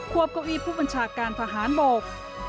ควบควีผู้บัญชาการทหารบก